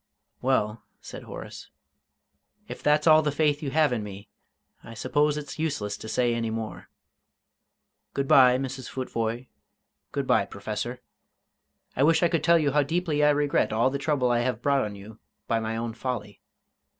"Well," said Horace, "if that's all the faith you have in me, I suppose it's useless to say any more. Good bye, Mrs. Futvoye; good bye, Professor. I wish I could tell you how deeply I regret all the trouble I have brought on you by my own folly.